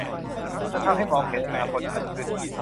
จะทำให้มองเห็นอนาคตชัดขึ้น